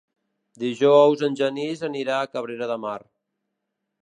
Dijous en Genís anirà a Cabrera de Mar.